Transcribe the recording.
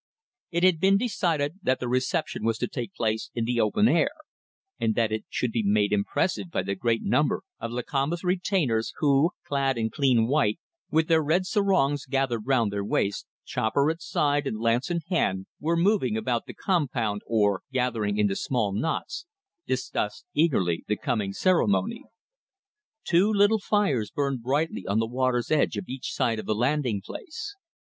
It had been decided that the reception was to take place in the open air, and that it should be made impressive by the great number of Lakamba's retainers, who, clad in clean white, with their red sarongs gathered round their waists, chopper at side and lance in hand, were moving about the compound or, gathering into small knots, discussed eagerly the coming ceremony. Two little fires burned brightly on the water's edge on each side of the landing place.